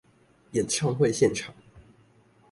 演唱會現場